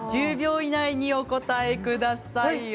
１０秒以内にお答えください。